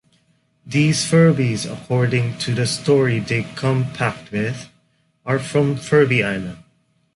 These Furbies, according to the story they come packed with, are from Furby Island.